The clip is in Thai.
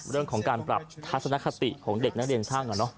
เรื่องของการปรับทัศนคติของเด็กนักเรียนช่าง